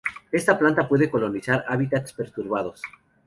Esta planta puede colonizar hábitats perturbados.